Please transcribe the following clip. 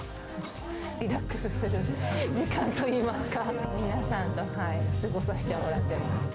リラックスする時間といいますか、皆さんと過ごさせてもらってます。